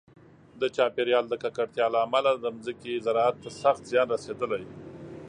د چاپیریال د ککړتیا له امله د ځمکې زراعت ته سخت زیان رسېدلی.